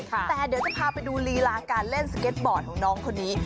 แต่เดี๋ยวจะพาไปดูลีลาการเล่นสเก็ตบอร์ดของน้องคนนี้